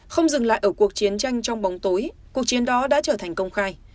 không dừng lại ở cuộc chiến tranh trong bóng tối cuộc chiến đó đã trở thành công khai